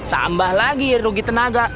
tambah lagi rugi tenaga